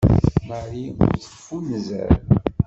Marie ur teffunzer.